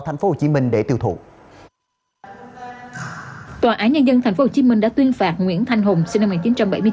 tp hcm để tiêu thụ tòa án nhân dân tp hcm đã tuyên phạt nguyễn thanh hùng sinh năm một nghìn chín trăm bảy mươi bốn